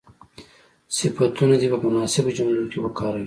صفتونه دې په مناسبو جملو کې وکاروي.